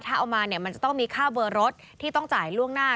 ถ้าเอามาเนี่ยมันจะต้องมีค่าเบอร์รถที่ต้องจ่ายล่วงหน้า